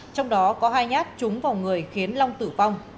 trong đó có hai nhát trúng vào người khiến long tử vong